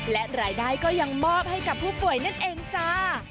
และรายได้ก็ยังมอบให้กับผู้ป่วยนั่นเองจ้า